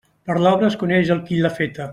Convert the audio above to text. Per l'obra es coneix el qui l'ha feta.